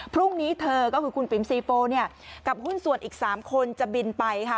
พรุ่งนี้เธอก็คือคุณปิ๋มซีโปเนี่ยกับหุ้นส่วนอีก๓คนจะบินไปค่ะ